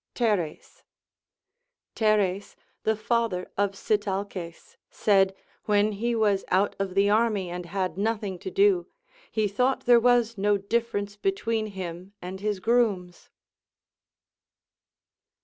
Teres. Teres, the father of Sitalces, said, when he was out of the army and had nothing to do, he thought there was no difference between him and his grooms.